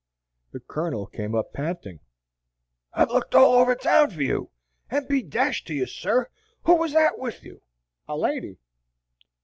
The Colonel came up panting. "I've looked all over town for you, and be dashed to you, sir. Who was that with you?" "A lady."